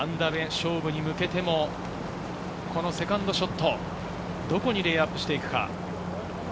勝負に向けてもこのセカンドショット、どこにレイアップしていくか。